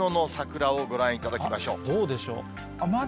どうでしょう。